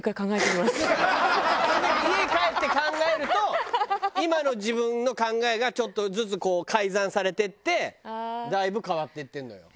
これで家帰って考えると今の自分の考えがちょっとずつ改ざんされていってだいぶ変わっていってるのよ。